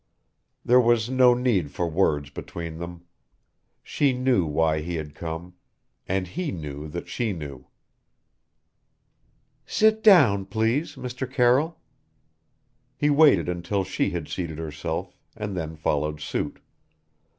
There was no need for words between them. She knew why he had come and he knew that she knew. "Sit down, please, Mr. Carroll." He waited until she had seated herself and then followed suit.